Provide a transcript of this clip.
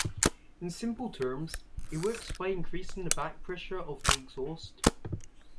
In simple terms, it works by increasing the back-pressure of the exhaust.